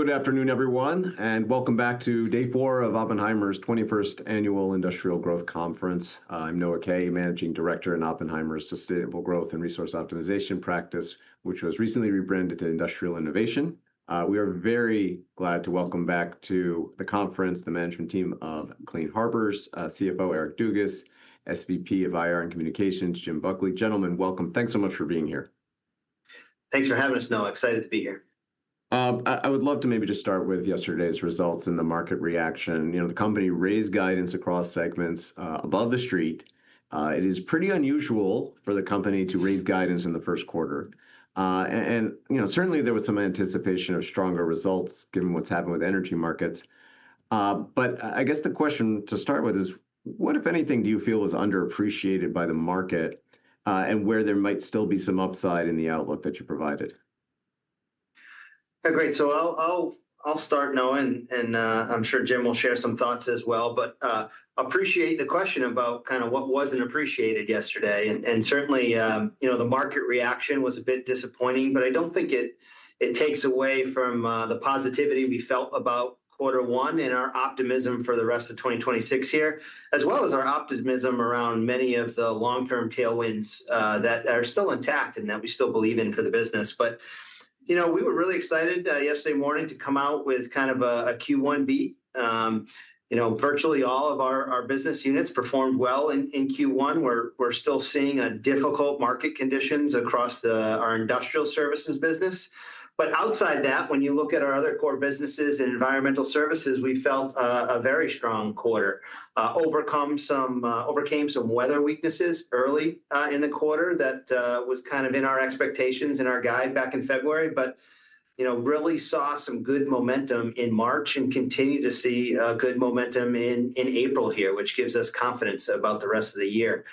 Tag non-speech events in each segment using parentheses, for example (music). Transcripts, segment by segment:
Good afternoon, everyone, and welcome back to day four of Oppenheimer's 21st Annual Industrial Growth Conference. I'm Noah Kaye, Managing Director in Oppenheimer's Sustainable Growth and Resource Optimization practice, which was recently rebranded to Industrial Innovation. We are very glad to welcome back to the conference the management team of Clean Harbors, CFO Eric Dugas, SVP of IR and Communications, Jim Buckley. Gentlemen, welcome. Thanks so much for being here. Thanks for having us, Noah. Excited to be here. I would love to maybe just start with yesterday's results and the market reaction. You know, the company raised guidance across segments above the street. It is pretty unusual for the company to raise guidance in the first quarter. You know, certainly there was some anticipation of stronger results given what's happened with energy markets. I guess the question to start with is, what, if anything, do you feel was underappreciated by the market, and where there might still be some upside in the outlook that you provided? Yeah, great. I'll start, Noah, I'm sure Jim will share some thoughts as well. Appreciate the question about kinda what wasn't appreciated yesterday. Certainly, you know, the market reaction was a bit disappointing, but I don't think it takes away from the positivity we felt about quarter one and our optimism for the rest of 2026 here, as well as our optimism around many of the long-term tailwinds that are still intact and that we still believe in for the business. You know, we were really excited yesterday morning to come out with kind of a Q1 beat. You know, virtually all of our business units performed well in Q1. We're still seeing a difficult market conditions across our industrial services business. Outside that, when you look at our other core businesses in environmental services, we felt a very strong quarter. Overcame some weather weaknesses early in the quarter that was kind of in our expectations in our guide back in February, but you know, really saw some good momentum in March and continue to see good momentum in April here, which gives us confidence about the rest of the year.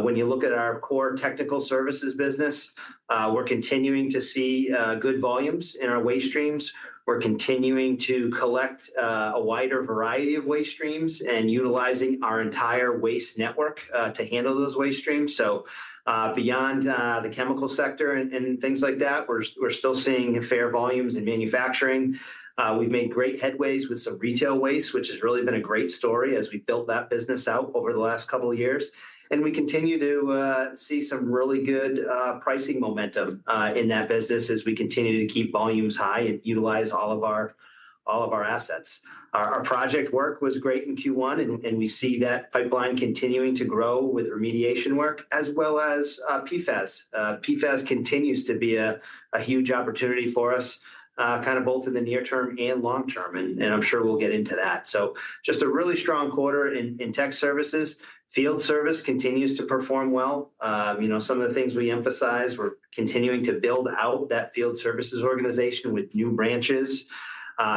When you look at our core technical services business, we're continuing to see good volumes in our waste streams. We're continuing to collect a wider variety of waste streams and utilizing our entire waste network to handle those waste streams. Beyond the chemical sector and things like that, we're still seeing fair volumes in manufacturing. We've made great headways with some retail waste, which has really been a great story as we build that business out over the last couple years. We continue to see some really good pricing momentum in that business as we continue to keep volumes high and utilize all of our, all of our assets. Our project work was great in Q1, and we see that pipeline continuing to grow with remediation work as well as PFAS. PFAS continues to be a huge opportunity for us, kind of both in the near term and long term, and I'm sure we'll get into that. So, just a really strong quarter in tech services. Field service continues to perform well. You know, some of the things we emphasize, we're continuing to build out that field services organization with new branches,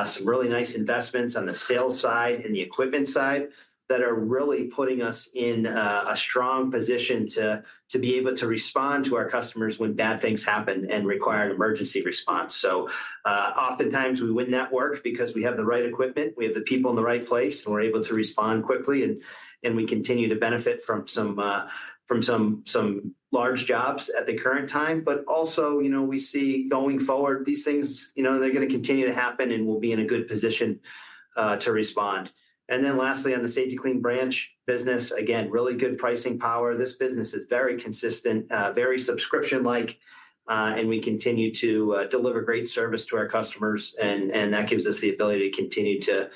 some really nice investments on the sales side and the equipment side that are really putting us in a strong position to be able to respond to our customers when bad things happen and require an emergency response. Oftentimes, we win that work because we have the right equipment, we have the people in the right place, and we're able to respond quickly and we continue to benefit from some large jobs at the current time. Also, you know, we see going forward, these things, you know, they're gonna continue to happen, and we'll be in a good position to respond. Lastly, on the Safety-Kleen branch business, again, really good pricing power. This business is very consistent, very subscription-like, and we continue to deliver great service to our customers and that gives us the ability to continue to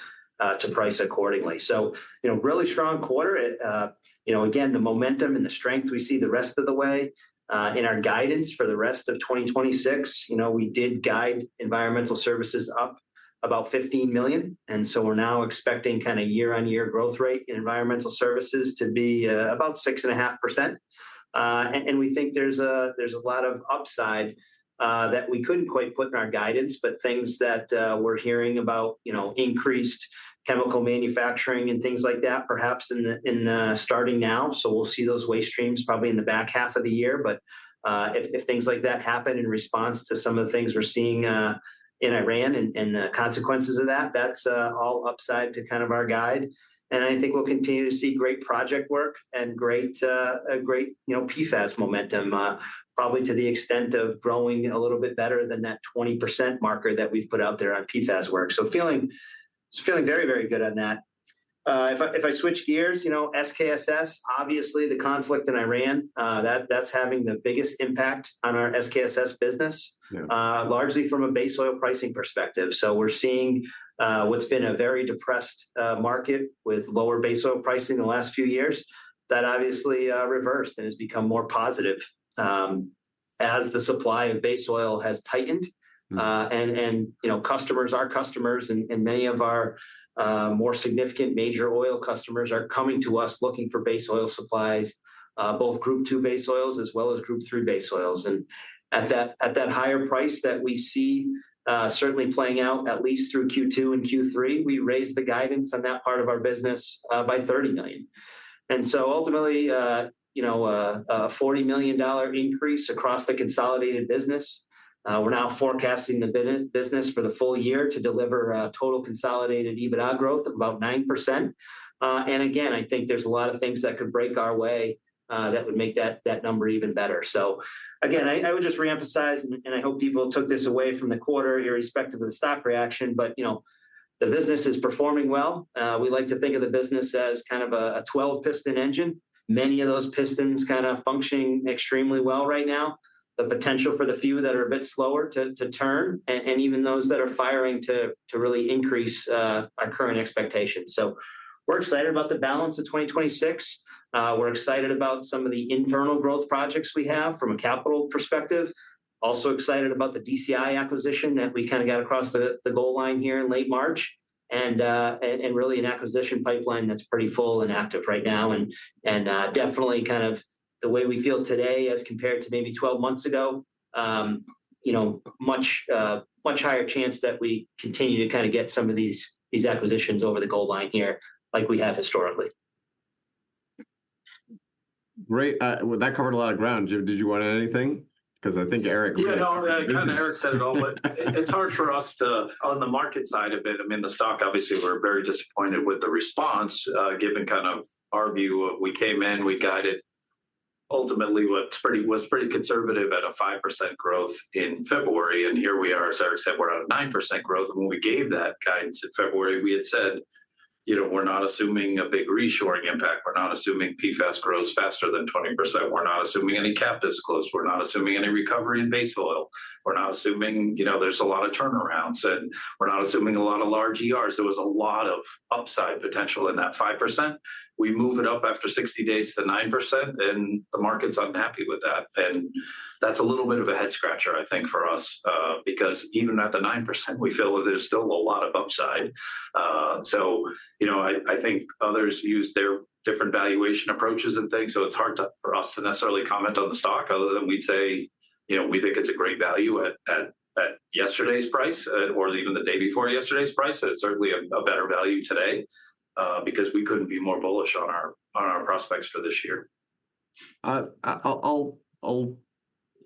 price accordingly. You know, really strong quarter. You know, again, the momentum and the strength we see the rest of the way in our guidance for the rest of 2026, you know, we did guide environmental services up about $15 million, and so, we're now expecting kinda year-on-year growth rate in environmental services to be about 6.5%. We think there's a lot of upsides that we couldn't quite put in our guidance, but things that we're hearing about, you know, increased chemical manufacturing and things like that, perhaps starting now. We'll see those waste streams probably in the back half of the year, but if things like that happen in response to some of the things we're seeing in Iran and the consequences of that, that's all upside to kind of our guide. I think we'll continue to see great project work and a great, you know, PFAS momentum, probably to the extent of growing a little bit better than that 20% marker that we've put out there on PFAS work. So, feeling very, very good on that. If I switch gears, you know, SKSS, obviously the conflict in Iran, that's having the biggest impact on our SKSS business. Yeah. Largely from a base oil pricing perspective. We're seeing what's been a very depressed market with lower base oil pricing in the last few years that obviously reversed and has become more positive as the supply of base oil has tightened. You know, customers, our customers and many of our more significant major oil customers, are coming to us looking for base oil supplies, both Group II base oils as well as Group III base oils. At that higher price that we see certainly playing out at least through Q2 and Q3, we raised the guidance on that part of our business by $30 million. Ultimately, you know, a $40 million increase across the consolidated business. We're now forecasting the business for the full year to deliver total consolidated EBITDA growth of about 9%. Again, I think there's a lot of things that could break our way that would make that number even better. Again, I would just reemphasize, and I hope people took this away from the quarter, irrespective of the stock reaction, but, you know, the business is performing well. We like to think of the business as kind of a 12-piston engine. Many of those pistons kind of functioning extremely well right now, the potential for the few that are a bit slower to turn, and even those that are firing to really increase our current expectations. We're excited about the balance of 2026. We're excited about some of the internal growth projects we have from a capital perspective. Also excited about the DCI acquisition that we kind of got across the goal line here in late March, and really an acquisition pipeline that's pretty full and active right now, and definitely kind of the way we feel today as compared to maybe 12 months ago, you know, much higher chance that we continue to kind of get some of these acquisitions over the goal line here like we have historically. Great. Well, that covered a lot of ground. Jim, did you want anything? 'Cause I think Eric really. (crosstalk) Yeah, no, I mean Eric said it all. It's hard for us to, on the market side of it, I mean, the stock obviously we're very disappointed with the response, given kind of our view. We came in, we guided, ultimately, what was pretty conservative at a 5% growth in February, and here we are, as Eric said, we're at a 9% growth. When we gave that guidance in February, we had said, you know, we're not assuming a big reshoring impact, we're not assuming PFAS grows faster than 20%, we're not assuming any captives close, we're not assuming any recovery in base oil, we're not assuming, you know, there's a lot of turnarounds, and we're not assuming a lot of large ERs. There was a lot of upside potential in that 5%. We move it up after 60 days to 9%, and the market's unhappy with that. That's a little bit of a head scratcher, I think, for us, because even at the 9%, we feel that there's still a lot of upside. You know, I think others use their different valuation approaches and things, so it's hard for us to necessarily comment on the stock other than we'd say, you know, we think it's a great value at yesterday's price, or even the day before yesterday's price. It's certainly a better value today, because we couldn't be more bullish on our prospects for this year. I'll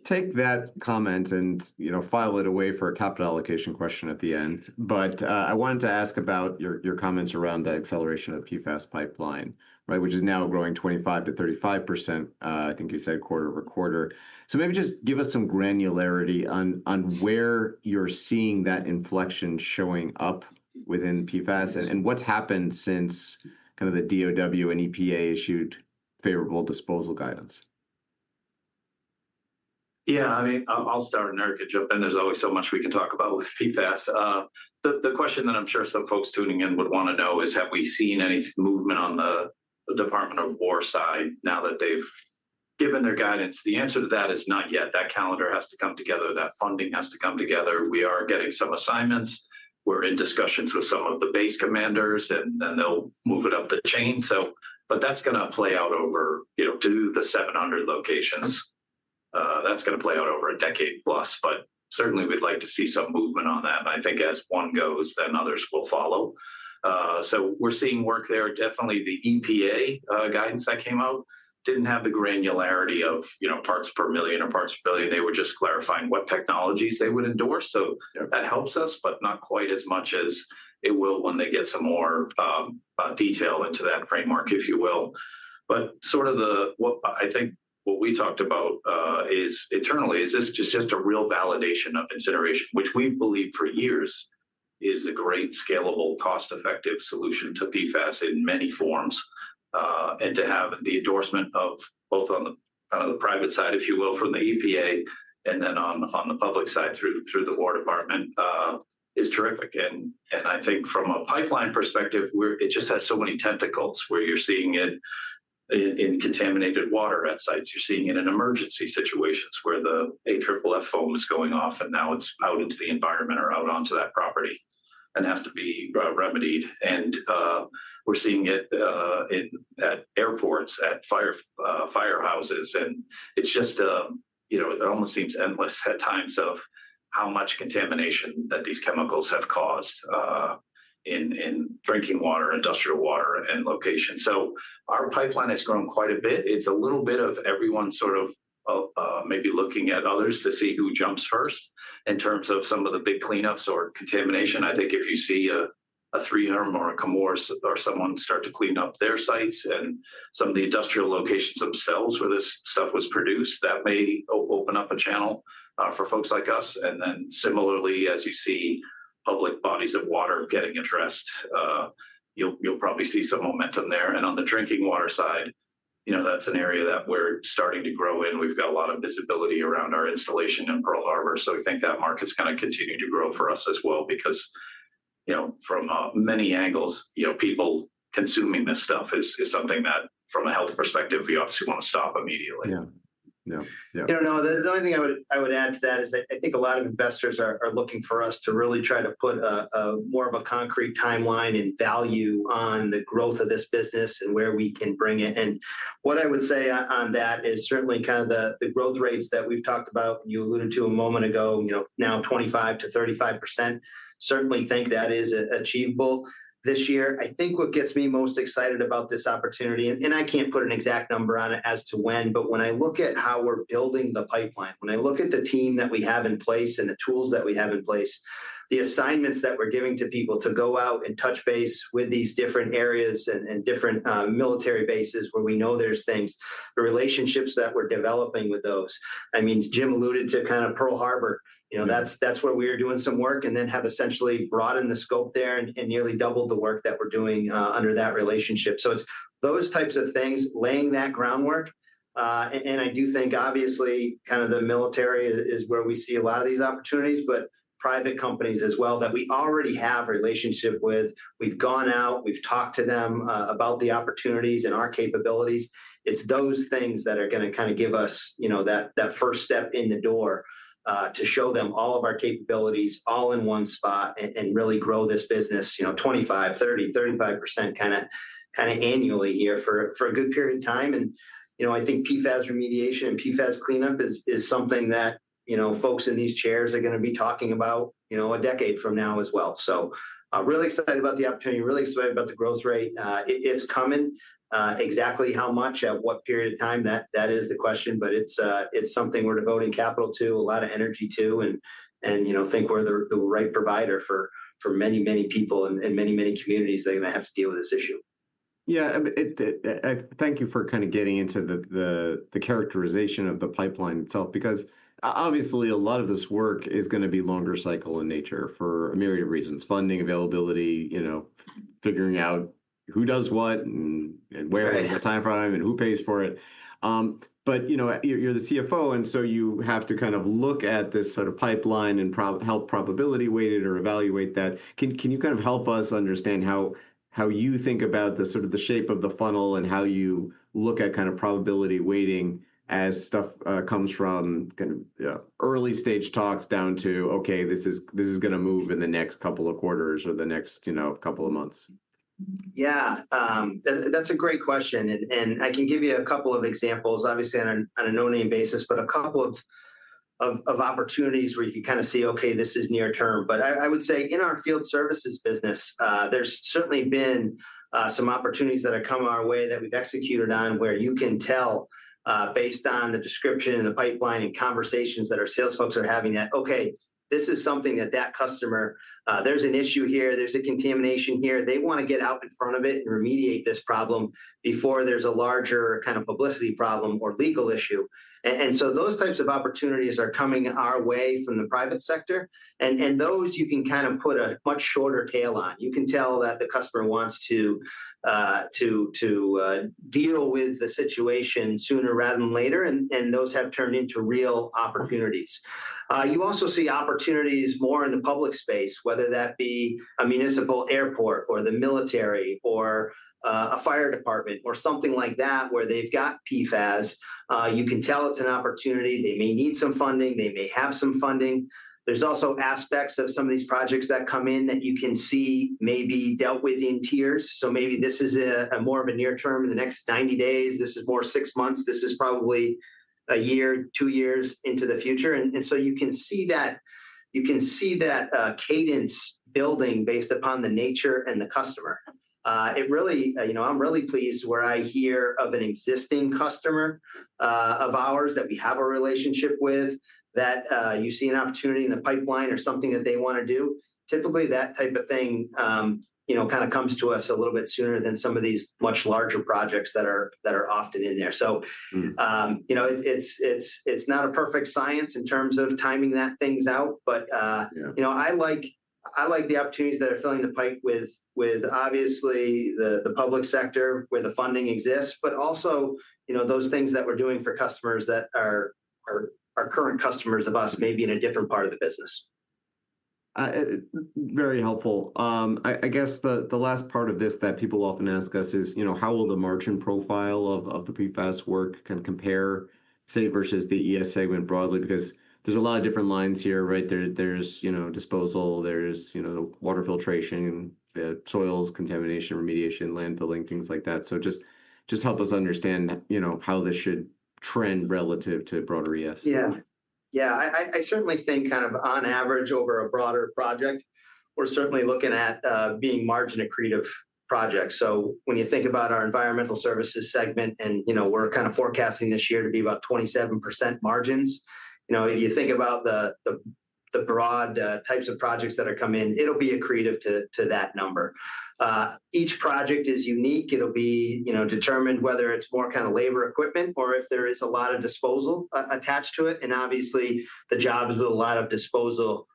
take that comment and, you know, file it away for a capital allocation question at the end. But I wanted to ask about your comments around the acceleration of PFAS pipeline, right? Which is now growing 25%-35%, I think you said quarter-over-quarter. Maybe just give us some granularity on where you're seeing that inflection showing up within PFAS. Yes. And what's happened since kind of the DOW and EPA issued favorable disposal guidance? Yeah. I mean, I'll start and Eric can jump in. There's always so much we can talk about with PFAS. The question that I'm sure some folks tuning in would wanna know is, have we seen any movement on the Department of War side now that they've given their guidance? The answer to that is not yet. That calendar has to come together. That funding has to come together. We are getting some assignments. We're in discussions with some of the base commanders, and then they'll move it up the chain. So, that's gonna play out over, you know, to the 700 locations. Yeah. That's gonna play out over a decade plus, but certainly we'd like to see some movement on that. I think as one goes, then others will follow. We're seeing work there. Definitely the EPA guidance that came out didn't have the granularity of, you know, parts per million or parts per billion. They were just clarifying what technologies they would endorse. Yeah. So, that helps us, but not quite as much as it will when they get some more detail into that framework, if you will. Sort of the, what I think what we talked about is, internally, is this just a real validation of incineration, which we've believed for years is a great scalable, cost-effective solution to PFAS in many forms. To have the endorsement of both on the kind of the private side, if you will, from the EPA and then on the public side through the War Department, is terrific. I think from a pipeline perspective, it just has so many tentacles where you're seeing it in contaminated water at sites. You're seeing it in emergency situations where the AFFF foam is going off, and now it's out into the environment or out onto that property and has to be remedied. We're seeing it in, at airports, at fire, firehouses, and it's just, you know, it almost seems endless at times of how much contamination that these chemicals have caused in drinking water, industrial water, and locations. Our pipeline has grown quite a bit. It's a little bit of everyone sort of, maybe looking at others to see who jumps first in terms of some of the big cleanups or contamination. I think if you see a 3M or a Chemours or someone start to clean up their sites and some of the industrial locations themselves where this stuff was produced, that may open up a channel for folks like us. Similarly, as you see public bodies of water getting addressed, you'll probably see some momentum there. On the drinking water side, you know, that's an area that we're starting to grow in. We've got a lot of visibility around our installation in Pearl Harbor, so we think that market's gonna continue to grow for us as well because, you know, from many angles, you know, people consuming this stuff is something that, from a health perspective, we obviously wanna stop immediately. Yeah. Yeah, yeah. You know, the only thing I would add to that is I think a lot of investors are looking for us to really try to put a more of a concrete timeline and value on the growth of this business and where we can bring it. What I would say on that is certainly kind of the growth rates that we've talked about, you alluded to a moment ago, you know, now 25%-35%, certainly think that is achievable this year. I think what gets me most excited about this opportunity, and I can't put an exact number on it as to when, but when I look at how we're building the pipeline, when I look at the team that we have in place, and the tools that we have in place, the assignments that we're giving to people to go out and touch base with these different areas and different military bases where we know there's things, the relationships that we're developing with those. I mean, Jim alluded to kind of Pearl Harbor. Yeah. That's where we are doing some work and then have essentially broadened the scope there and nearly doubled the work that we're doing under that relationship. It's those types of things, laying that groundwork, and I do think, obviously, kind of the military is where we see a lot of these opportunities, but private companies as well that we already have a relationship with. We've gone out, we've talked to them about the opportunities and our capabilities. It's those things that are gonna kinda give us, you know, that first step in the door to show them all of our capabilities all in one spot and really grow this business, you know, 25%, 30%, 35% kinda annually here for a good period of time. You know, I think PFAS remediation and PFAS cleanup is something that, you know, folks in these chairs are gonna be talking about, you know, a decade from now as well. I'm really excited about the opportunity, really excited about the growth rate. It's coming. Exactly how much, at what period in time, that is the question, but it's something we're devoting capital to, a lot of energy to, and, you know, think we're the right provider for many, many people, and many, many communities that are gonna have to deal with this issue. Yeah, I mean, it, thank you for kind of getting into the characterization of the pipeline itself, because obviously, a lot of this work is going to be longer cycle in nature for a myriad of reasons, funding availability, you know, figuring out who does what, and where. Right. And the timeframe, and who pays for it. But you know, you're the CFO, and so you have to kind of look at this sort of pipeline and how probability-weighted or evaluate that. Can you kind of help us understand how you think about the sort of the shape of the funnel, and how you look at kind of probability-weighting as stuff comes from kind of early stage talks down to, okay, this is gonna move in the next couple of quarters or the next, you know, couple of months? Yeah. That's a great question and I can give you a couple of examples, obviously on a no-name basis, but a couple of opportunities where you can kinda see, okay, this is near term. I would say in our field services business, there's certainly been some opportunities that have come our way that we've executed on, where you can tell, based on the description and the pipeline and conversations that our sales folks are having, that, okay, this is something that that customer, there's an issue here, there's a contamination here, they wanna get out in front of it and remediate this problem before there's a larger kind of publicity problem or legal issue. Those types of opportunities are coming our way from the private sector, and those you can kind of put a much shorter tail on. You can tell that the customer wants to deal with the situation sooner rather than later, and those have turned into real opportunities. You also see opportunities more in the public space, whether that be a municipal airport or the military or a fire department or something like that, where they've got PFAS. You can tell it's an opportunity. They may need some funding. They may have some funding. There's also aspects of some of these projects that come in that you can see may be dealt with in tiers. Maybe this is a more of a near term in the next 90 days, this is more six months, this is probably a year, two years into the future. So, you can see that cadence building based upon the nature and the customer. It really, you know, I'm really pleased where I hear of an existing customer of ours that we have a relationship with, that you see an opportunity in the pipeline or something that they wanna do. Typically, that type of thing, you know, kinda comes to us a little bit sooner than some of these much larger projects that are often in there. You know, it's not a perfect science in terms of timing that things out. Yeah. But, you know, I like the opportunities that are filling the pipe with obviously the public sector where the funding exists, but also, you know, those things that we're doing for customers that are current customers of us, maybe in a different part of the business. Very helpful. I guess the last part of this that people often ask us is, you know, how will the margin profile of the PFAS work kind of compare, say, versus the ES segment broadly, because there's a lot of different lines here, right? There's, you know, disposal, there's, you know, water filtration, the soils contamination, remediation, land filling, things like that. Just help us understand, you know, how this should trend relative to broader ES. Yeah. Yeah, I certainly think kind of on average over a broader project, we're certainly looking at being margin accretive projects. When you think about our environmental services segment, and, you know, we're kind of forecasting this year to be about 27% margins, you know, if you think about the broad types of projects that are come in, it'll be accretive to that number. Each project is unique. It'll be, you know, determined whether it's more kind of labor equipment or if there is a lot of disposal attached to it. Obviously, the jobs with a lot of disposal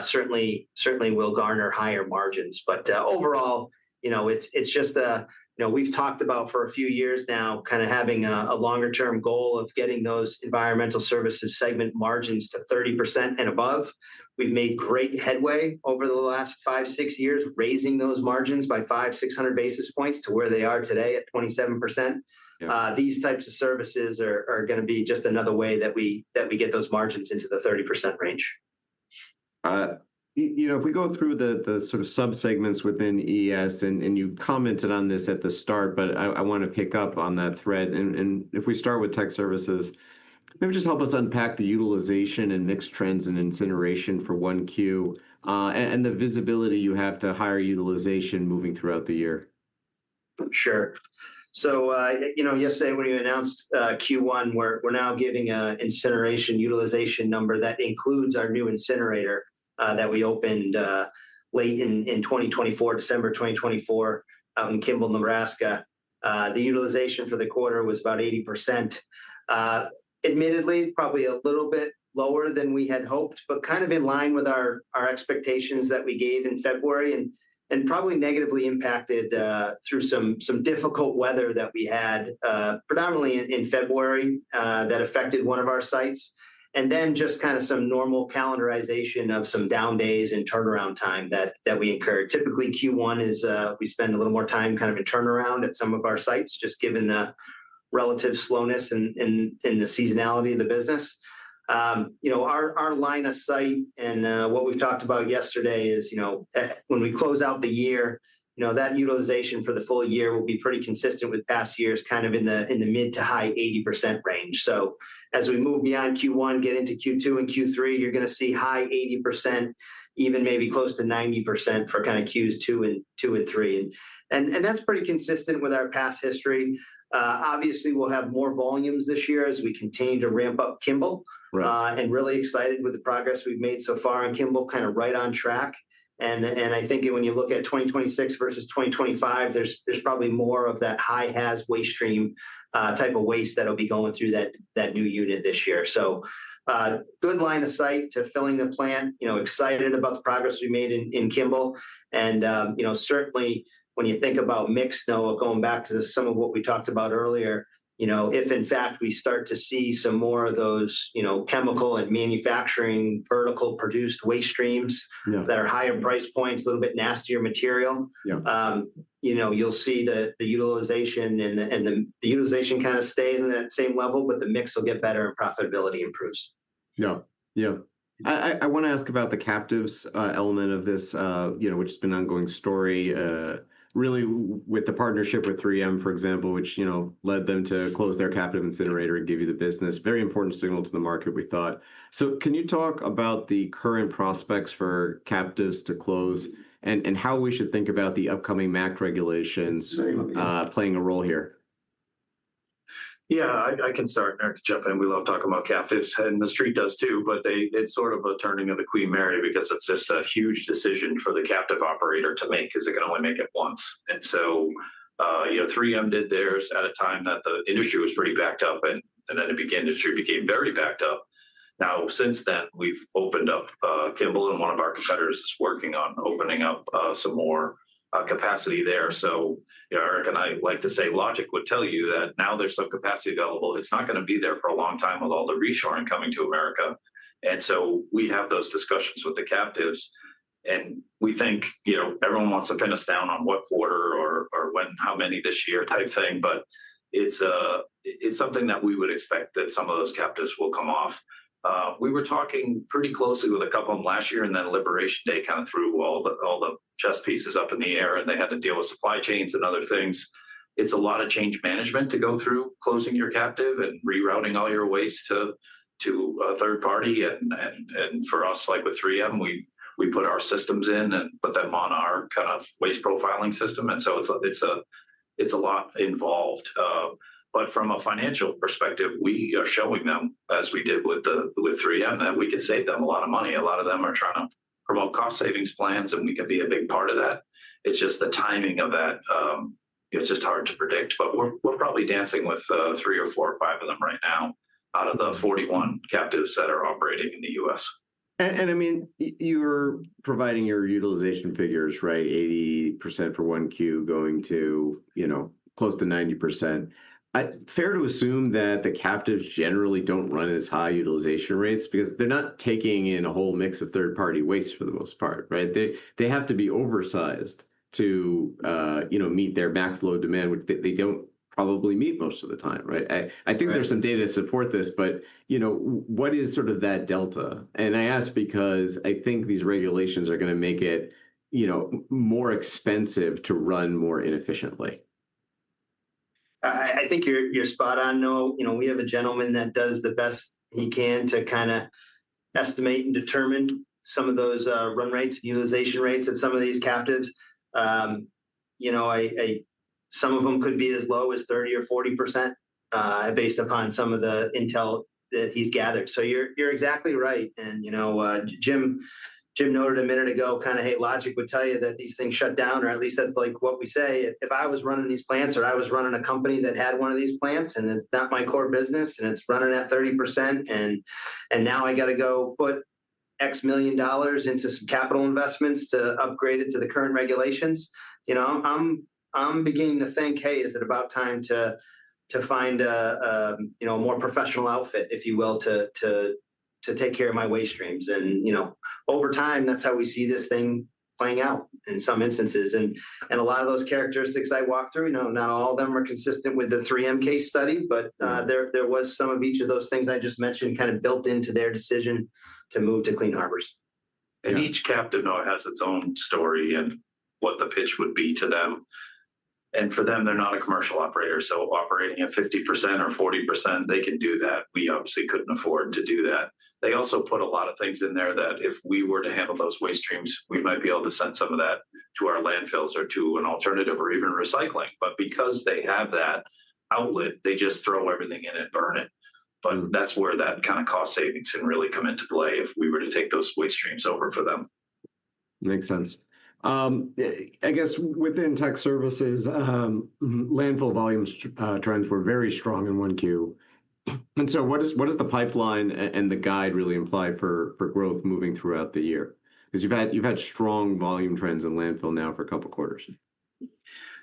certainly will garner higher margins. Overall, you know, it's just a, you know, we've talked about for a few years now kinda having a longer-term goal of getting those environmental services segment margins to 30% and above. We've made great headway over the last five, six years, raising those margins by 500, 600 basis points to where they are today at 27%. Yeah. These types of services are gonna be just another way that we get those margins into the 30% range. You know, if we go through the sort of subsegments within ES, and you commented on this at the start, but I wanna pick up on that thread. If we start with tech services, maybe just help us unpack the utilization and mixed trends in incineration for 1Q, and the visibility you have to higher utilization moving throughout the year. Sure. You know, yesterday when we announced Q1, we're now giving a incineration utilization number that includes our new incinerator that we opened late in 2024, December 2024, out in Kimball, Nebraska. The utilization for the quarter was about 80%. Admittedly, probably a little bit lower than we had hoped, but kind of in line with our expectations that we gave in February, and probably negatively impacted through some difficult weather that we had predominantly in February that affected one of our sites, then just kinda some normal calendarization of some down days and turnaround time that we incurred. Typically, Q1 is, we spend a little more time kind of in turnaround at some of our sites, just given the relative slowness in the seasonality of the business. You know, our line of sight and what we've talked about yesterday is, you know, when we close out the year, you know, that utilization for the full year will be pretty consistent with past years, kind of in the mid to high 80% range. As we move beyond Q1, get into Q2 and Q3, you're gonna see high 80%, even maybe close to 90% for kind of Qs two and three, and that's pretty consistent with our past history. Obviously, we'll have more volumes this year as we continue to ramp up Kimball. Right. Really excited with the progress we've made so far on Kimball, kinda right on track. I think when you look at 2026 versus 2025, there's probably more of that high-haz waste stream, type of waste that'll be going through that new unit this year. So, good line of sight to filling the plan. You know, excited about the progress we made in Kimball, and certainly, when you think about mix, though, going back to some of what we talked about earlier, if in fact we start to see some more of those, chemical and manufacturing vertical-produced waste streams. Yeah. That are higher price points, a little bit nastier material. Yeah. You know, you'll see the utilization kinda stay in that same level, but the mix will get better and profitability improves. Yeah. I want to ask about the captives element of this, you know, which has been an ongoing story, really with the partnership with 3M, for example, which, you know, led them to close their captive incinerator and give you the business. Very important signal to the market, we thought. Can you talk about the current prospects for captives to close and how we should think about the upcoming MACT regulations? Very lucky. Playing a role here? Yeah. I can start, and Eric can jump in. We love talking about captives, and the industry does too, but it's sort of a turning of the Queen Mary because it's just a huge decision for the captive operator to make, 'cause they can only make it once. You know, 3M did theirs at a time that the industry was pretty backed up, and then industry became very backed up. Now, since then, we've opened up Kimball, and one of our competitors is working on opening up some more capacity there. You know, Eric and I like to say logic would tell you that now there's some capacity available, it's not gonna be there for a long time with all the reshoring coming to America. So, we have those discussions with the captives, and we think, you know, everyone wants to pin us down on what quarter or when, how many this year type thing, but it's something that we would expect that some of those captives will come off. We were talking pretty closely with a couple of them last year, and then Liberation Day kinda threw all the chess pieces up in the air, and they had to deal with supply chains and other things. It's a lot of change management to go through closing your captive and rerouting all your waste to a third party. For us, like with 3M, we put our systems in and put them on our kind of waste profiling system, so, it's a lot involved. From a financial perspective, we are showing them, as we did with 3M, that we can save them a lot of money. A lot of them are trying to promote cost savings plans, and we can be a big part of that. It's just the timing of that, it's just hard to predict, but we're probably dancing with three or four or five of them right now out of the 41 captives that are operating in the U.S. I mean, you're providing your utilization figures, right, 80% for 1Q going to, you know, close to 90%? Is it fair to assume that the captives generally don't run as high utilization rates because they're not taking in a whole mix of third-party waste for the most part, right? They have to be oversized to, you know, meet their max load demand, which they don't probably meet most of the time, right? That's right. I think there's some data to support this, but, you know, what is sort of that delta? And I ask because I think these regulations are gonna make it, you know, more expensive to run more inefficiently. I think you're spot on, Noah. You know, we have a gentleman that does the best he can to kinda estimate and determine some of those run rates and utilization rates at some of these captives. You know, I, some of them could be as low as 30% or 40%, based upon some of the intel that he's gathered. So, you're exactly right, and you know, Jim noted a minute ago, kinda, hey, logic would tell you that these things shut down, or at least that's like what we say. If I was running these plants or I was running a company that had one of these plants and it's not my core business and it's running at 30% and now I gotta go put X million dollars into some capital investments to upgrade it to the current regulations, you know, I'm beginning to think, "Hey, is it about time to find a, you know, a more professional outfit, if you will, to take care of my waste streams?" You know, over time, that's how we see this thing playing out in some instances. A lot of those characteristics I walked through, you know, not all of them are consistent with the 3M case study, but there was some of each of those things I just mentioned kind of built into their decision to move to Clean Harbors. And each captive, Noah, has its own story and what the pitch would be to them. For them, they're not a commercial operator, so operating at 50% or 40%, they can do that. We obviously couldn't afford to do that. They also put a lot of things in there that if we were to handle those waste streams, we might be able to send some of that to our landfills or to an alternative or even recycling. But because they have that outlet, they just throw everything in it and burn it. That's where that kind of cost savings can really come into play if we were to take those waste streams over for them. Makes sense. I guess within tech services, landfill volumes trends were very strong in 1Q. So, what is, what does the pipeline and the guide really imply for growth moving throughout the year? 'Cause you've had strong volume trends in landfill now for two quarters.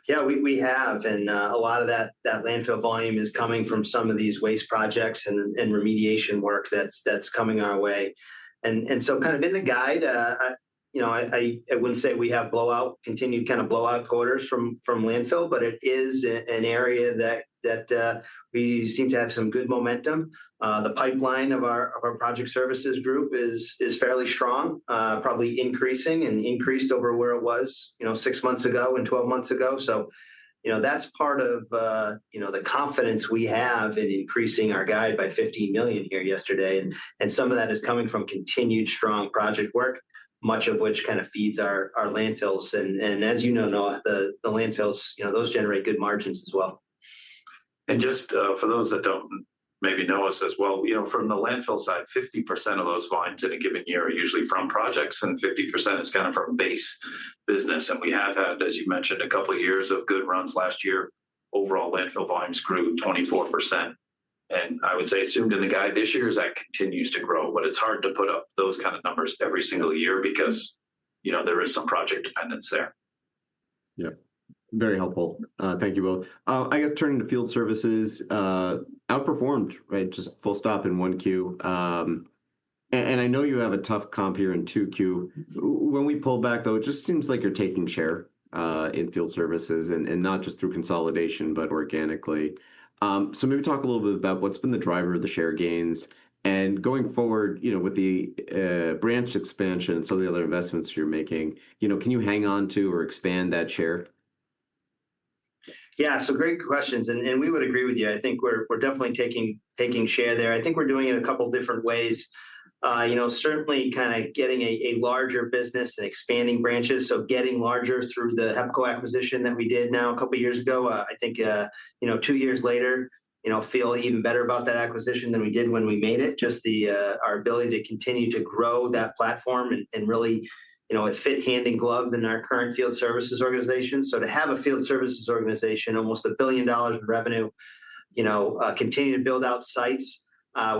Yeah, we have, and a lot of that landfill volume is coming from some of these waste projects and remediation work that's coming our way. So, kind of in the guide, I, you know, I wouldn't say we have blowout, continued kind of blowout quarters from landfill, but it is an area that we seem to have some good momentum. The pipeline of our project services group is fairly strong, probably increasing and increased over where it was, you know, six months ago and 12 months ago. You know, that's part of, you know, the confidence we have in increasing our guide by $50 million here yesterday. Some of that is coming from continued strong project work, much of which kind of feeds our landfills. As you know, Noah, the landfills, you know, those generate good margins as well. And just, for those that don't maybe know us as well, you know, from the landfill side, 50% of those volumes in a given year are usually from projects, and 50% is kind of from base business. We have had, as you mentioned, a couple years of good runs last year. Overall, landfill volumes grew 24%. I would say assumed in the guide this year is that continues to grow, but it's hard to put up those kind of numbers every single year because, you know, there is some project dependence there. Yep. Very helpful. Thank you both. I guess turning to field services, outperformed, right, just full stop in 1Q. I know you have a tough comp here in 2Q. When we pull back, though, it just seems like you're taking share in field services, and not just through consolidation, but organically. So, maybe talk a little bit about what's been the driver of the share gains, and going forward, you know, with the branch expansion and some of the other investments you're making, you know, can you hang on to or expand that share? Yeah. So, great questions, and we would agree with you. I think we're definitely taking share there. I think we're doing it a couple different ways. You know, certainly kind of getting a larger business and expanding branches, so getting larger through the HEPACO acquisition that we did now couple years ago. I think, you know, two years later, you know, feel even better about that acquisition than we did when we made it, just the, our ability to continue to grow that platform and really, you know, it fit hand in glove in our current field services organization. To have a field services organization, almost $1 billion in revenue, you know, continue to build out sites,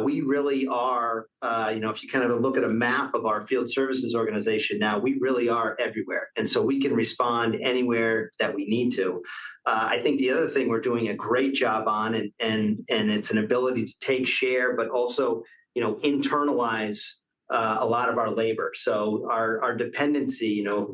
we really are, you know, if you kind of look at a map of our field services organization now, we really are everywhere. We can respond anywhere that we need to. I think the other thing we're doing a great job on, and it's an ability to take share, but also, you know, internalize a lot of our labor. Our dependency, you know,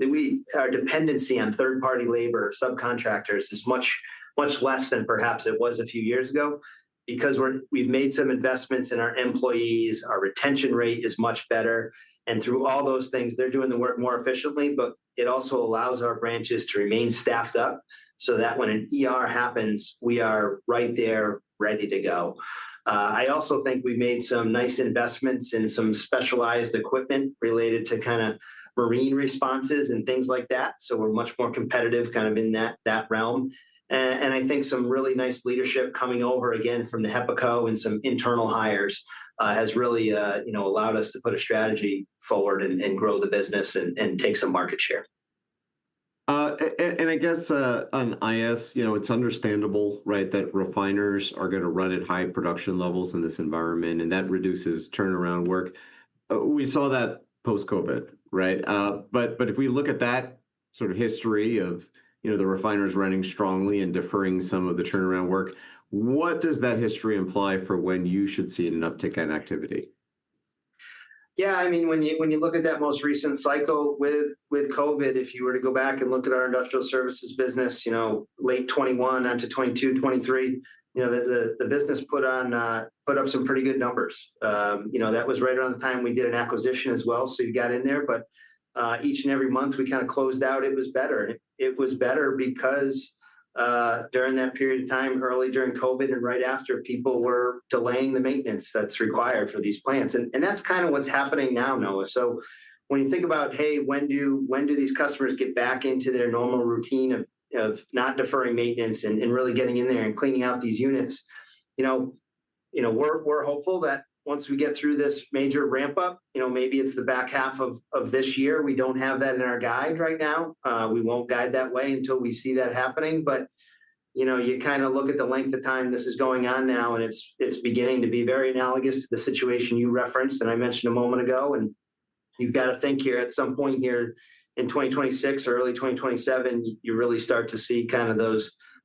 our dependency on third-party labor or subcontractors is much less than perhaps it was a few years ago because we're, we've made some investments in our employees. Our retention rate is much better. And through all those things, they're doing the work more efficiently, but it also allows our branches to remain staffed up so that when an ER happens, we are right there, ready to go. I also think we made some nice investments in some specialized equipment related to kinda marine responses and things like that, so we're much more competitive kind of in that realm. And I think some really nice leadership coming over again from the HEPACO and some internal hires, has really, you know, allowed us to put a strategy forward and grow the business and take some market share. I guess, on IS, you know, it's understandable, right, that refiners are gonna run at high production levels in this environment, and that reduces turnaround work. We saw that post-COVID, right? If we look at that sort of history of, you know, the refiners running strongly and deferring some of the turnaround work, what does that history imply for when you should see an uptick in activity? Yeah, I mean, when you look at that most recent cycle with COVID, if you were to go back and look at our industrial services business, you know, late 2021 onto 2022, 2023, you know, the business put up some pretty good numbers. You know, that was right around the time we did an acquisition as well, so you got in there. Each and every month we kinda closed out, it was better. It was better because during that period of time, early during COVID and right after, people were delaying the maintenance that's required for these plants. That's kind of what's happening now, Noah. When you think about, hey, when do these customers get back into their normal routine of not deferring maintenance and really getting in there and cleaning out these units, you know, we're hopeful that once we get through this major ramp-up, you know, maybe it's the back half of this year, we don't have that in our guide right now, we won't guide that way until we see that happening, but you know, you kinda look at the length of time this is going on now, and it's beginning to be very analogous to the situation you referenced and I mentioned a moment ago. You've gotta think here at some point here in 2026 or early 2027, you really start to see kind of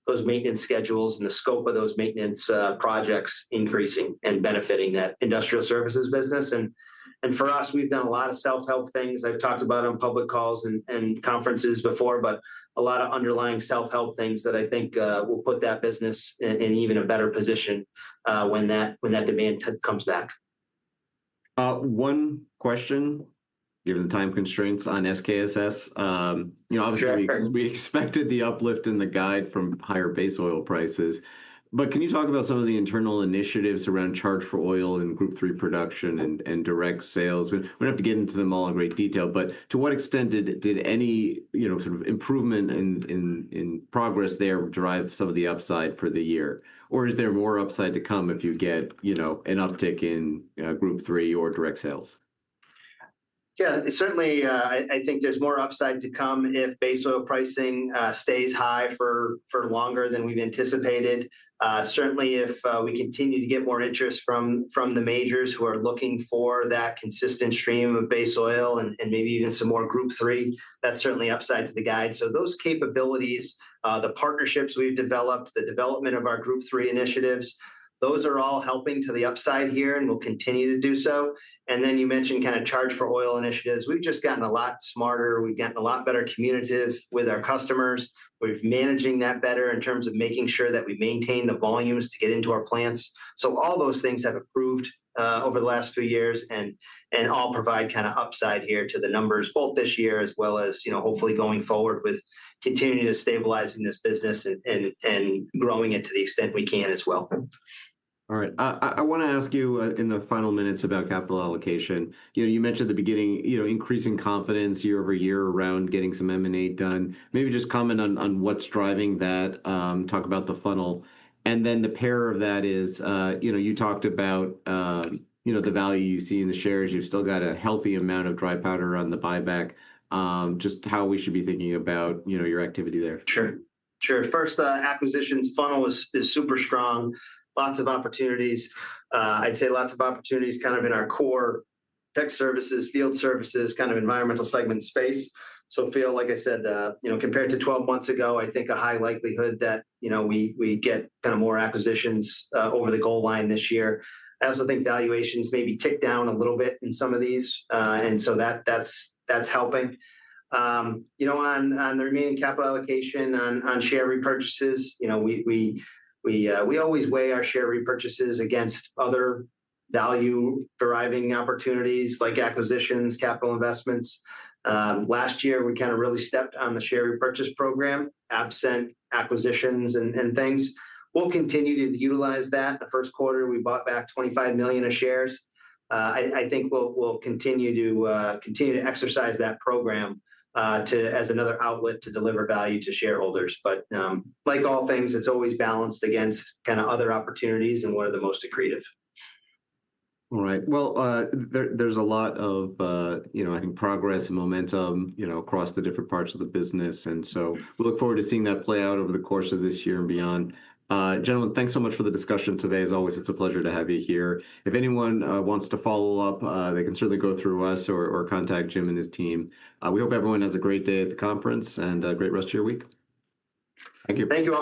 those maintenance schedules and the scope of those maintenance projects increasing and benefiting that industrial services business. For us, we've done a lot of self-help things I've talked about on public calls and conferences before, but a lot of underlying self-help things that I think will put that business in even a better position when that demand comes back. One question, given the time constraints, on SKSS. Sure. We expected the uplift in the guide from higher base oil prices. Can you talk about some of the internal initiatives around charge for oil in Group III production and direct sales? We don't have to get into them all in great detail, but to what extent did any, you know, sort of improvement in progress there drive some of the upside for the year? Or is there more upside to come if you get, you know, an uptick in Group III or direct sales? Yeah. Certainly, I think there's more upside to come if base oil pricing stays high for longer than we've anticipated. Certainly, if we continue to get more interest from the majors who are looking for that consistent stream of base oil and maybe even some more Group III, that's certainly upside to the guide. Those capabilities, the partnerships we've developed, the development of our Group III initiatives, those are all helping to the upside here and will continue to do so. Then you mentioned kinda charge for oil initiatives. We've just gotten a lot smarter, we've gotten a lot better communicative with our customers, we're managing that better in terms of making sure that we maintain the volumes to get into our plants. All those things have improved over the last few years, and all provide kinda upside here to the numbers, both this year as well as, you know, hopefully going forward with continuing to stabilizing this business and growing it to the extent we can as well. All right. I wanna ask you in the final minutes about capital allocation. You know, you mentioned at the beginning, you know, increasing confidence year-over-year around getting some M&A done. Maybe just comment on what's driving that. Talk about the funnel. Then the pair of that is, you know, you talked about, you know, the value you see in the shares. You've still got a healthy amount of dry powder around the buyback. Just how we should be thinking about, you know, your activity there. Sure. Sure. The acquisitions funnel is super strong, lots of opportunities. I'd say lots of opportunities kind of in our core tech services, field services, kind of environmental segment space. So, feel, like I said, you know, compared to 12 months ago, I think a high likelihood that, you know, we get kind of more acquisitions over the goal line this year. I also think valuations may be ticked down a little bit in some of these, and so, that's helping. You know, on the remaining capital allocation on share repurchases, you know, we always weigh our share repurchases against other value-deriving opportunities like acquisitions, capital investments. Last year, we kind of really stepped on the share repurchase program, absent acquisitions and things. We'll continue to utilize that. The first quarter we bought back 25 million of shares. I think we'll continue to exercise that program to, as another outlet to deliver value to shareholders. But like all things, it's always balanced against kind of other opportunities and what are the most accretive. All right. Well, there's a lot of, you know, I think progress and momentum, you know, across the different parts of the business. We look forward to seeing that play out over the course of this year and beyond. Gentlemen, thanks so much for the discussion today. As always, it's a pleasure to have you here. If anyone wants to follow up, they can certainly go through us or contact Jim and his team. We hope everyone has a great day at the conference, and a great rest of your week. Thank you. Thank you all.